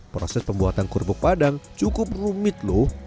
proses pembuatan kerupuk padang cukup rumit loh